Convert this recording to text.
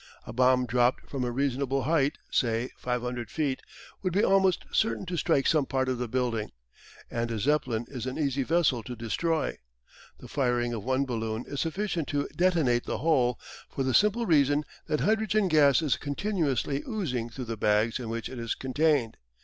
A bomb dropped from a reasonable height, say 500 feet, would be almost certain to strike some part of the building, and a Zeppelin is an easy vessel to destroy. The firing of one balloon is sufficient to detonate the whole, for the simple reason that hydrogen gas is continuously oozing through the bags in which it is contained.